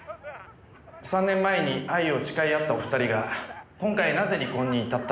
「３年前に愛を誓い合ったお二人が今回なぜ離婚に至ったのか」